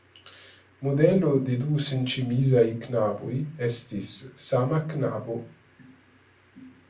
Modelo de du senĉemizaj knaboj estis sama knabo.